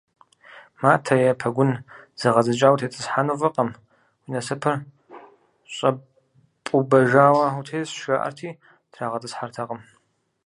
Матэ е пэгун зэгъэдзэкӀа утетӀысхьэну фӀыкъым, уи насыпыр щӀэпӀубэжауэ утесщ, жаӀэрти трагъэтӀысхьэртэкъым.